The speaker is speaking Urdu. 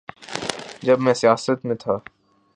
جب میں سیاست میں تھا۔